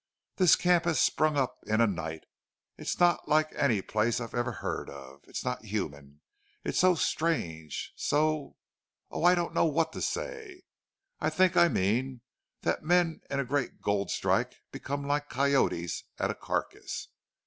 This camp has sprung up in a night. It's not like any place I ever heard of. It's not human. It's so strange so Oh, I don't know what to say. I think I mean that men in a great gold strike become like coyotes at a carcass.